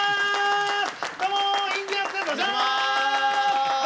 どうもインディアンスです！